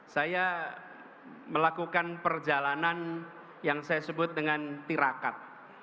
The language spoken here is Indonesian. saya melakukan perjalanan yang saya sebut dengan tirakat